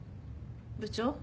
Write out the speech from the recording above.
部長？